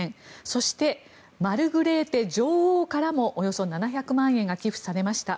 そして、マルグレーテ女王からもおよそ７００万円が寄付されました。